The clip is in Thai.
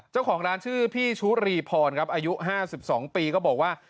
เจ้าของร้านชื่อพี่ชุรีพรครับอายุ๕๒ปีก็บอกว่า